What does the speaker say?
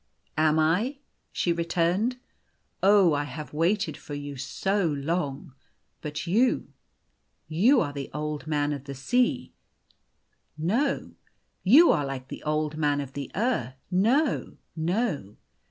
u Am I ?" she returned. u Oh, I have waited for you so long ! But you, you are like the Old Man of the Sea. No. You are like the Old Man of the Earth. No, no.